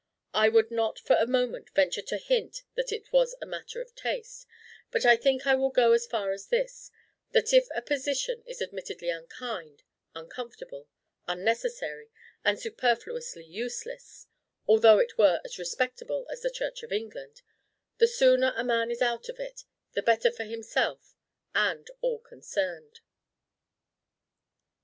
I would not for a moment venture to hint that it was a matter of taste; but I think I will go as far as this: that if a position is admittedly unkind, uncomfortable, unnecessary, and superfluously useless, although it were as respectable as the Church of England, the sooner a man is out of it, the better for himself, and all concerned.